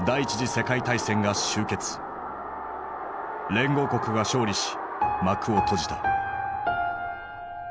連合国が勝利し幕を閉じた。